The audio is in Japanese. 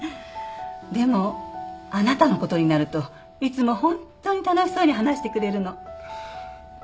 でもあなたのことになるといつもホントに楽しそうに話してくれるの。